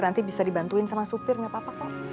nanti bisa dibantuin sama supir nggak apa apa kok